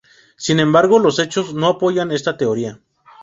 Sin embargo, los hechos no apoyan esta teoría.